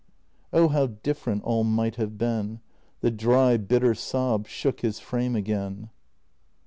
Oh, how different all might have been! The dry, bitter sob shook his frame again.